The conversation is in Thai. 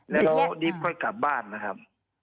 แล้วดิบค่อยกลับบ้านนะครับ